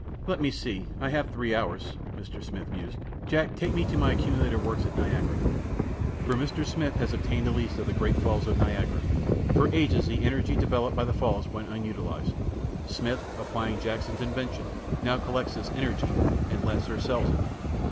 "Let me see; I have three hours," Mr. Smith mused. "Jack, take me to my accumulator works at Niagara." For Mr. Smith has obtained a lease of the great falls of Niagara. For ages the energy developed by the falls went unutilized. Smith, applying Jackson's invention, now collects this energy, and lets or sells it.